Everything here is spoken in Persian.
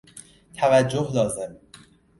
توجه لازم